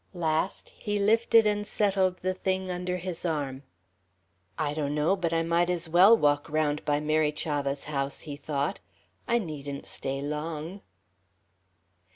Last, he lifted and settled the thing under his arm. "I donno but I might as well walk around by Mary Chavah's house," he thought. "I needn't stay long...."